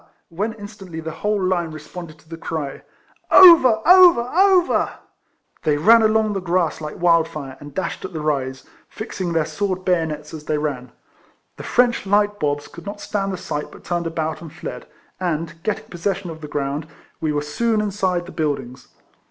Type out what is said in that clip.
when instantly the whole Hne responded to the cry, " Over ! over ! over !" They ran along the grass like wildfire, and dashed at the rise, fixing their sword bayonets as they ran. The French light bobs could not stand the sight, but turned about,' and fled; and, getting possession of their ground, we were soon inside the build ings.